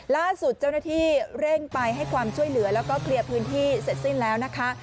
ล่าสุดเจ้าหน้าที่เร่งไปให้ความช่วยเหลือแล้วก็เคลียร์พื้นที่เสร็จสิ้นแล้วนะคะ